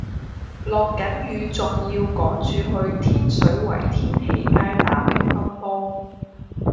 落緊雨仲要趕住去天水圍天喜街打乒乓波